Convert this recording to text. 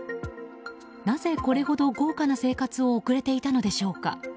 なぜこれほど豪華な生活を送れていたのでしょうか。